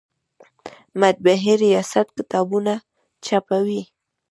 د مطبعې ریاست کتابونه چاپوي؟